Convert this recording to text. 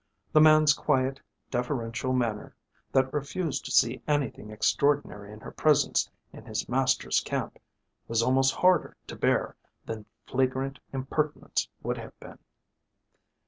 The man's quiet, deferential manner, that refused to see anything extraordinary in her presence in his master's camp, was almost harder to bear than flagrant impertinence would have been.